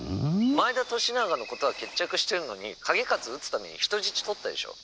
「前田利長のことは決着してるのに景勝討つために人質とったでしょ。